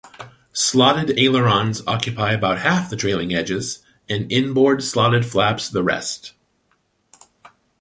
Slotted ailerons occupy about half the trailing edges and inboard slotted flaps the rest.